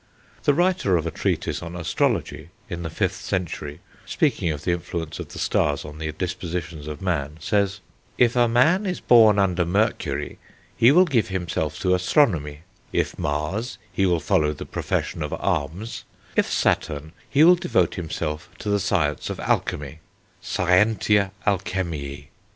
The writer of a treatise on astrology, in the 5th century, speaking of the influences of the stars on the dispositions of man, says: "If a man is born under Mercury he will give himself to astronomy; if Mars, he will follow the profession of arms; if Saturn, he will devote himself to the science of alchemy (Scientia alchemiae)."